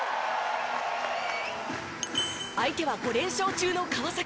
相手は５連勝中の川崎。